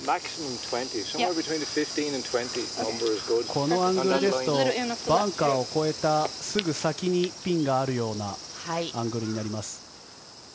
このアングルですとバンカーを越えたすぐ先にピンがあるようなアングルになります。